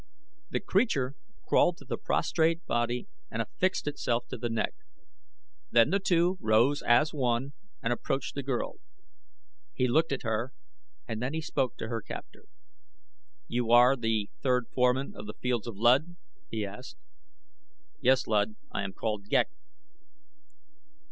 The creature crawled to the prostrate body and affixed itself to the neck. Then the two rose as one and approached the girl. He looked at her and then he spoke to her captor. "You are the third foreman of the fields of Luud?" he asked. "Yes, Luud; I am called Ghek."